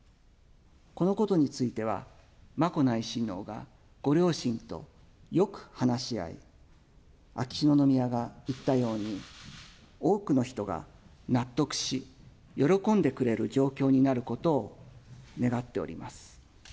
このことについては、眞子内親王がご両親とよく話し合い、秋篠宮が言ったように、多くの人が納得し、喜んでくれる状況になることを願っております。